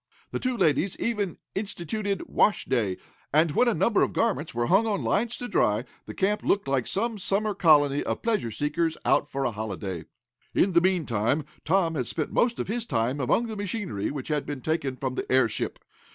The two ladies even instituted "wash day," and when a number of garments were hung on lines to dry, the camp looked like some summer colony of pleasure seekers, out for a holiday. In the meanwhile, Tom had spent most of his time among the machinery which had been taken from the airship.